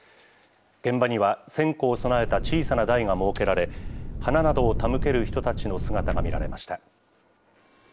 現場には線香を供えた小さな台が設けられ、花などを手向ける人たちの姿が見られました。